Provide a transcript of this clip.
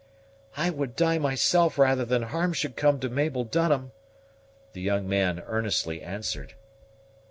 "I would die myself rather than harm should come to Mabel Dunham," the young man earnestly answered.